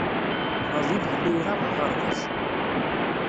Fadil yella ira aɣerbaz.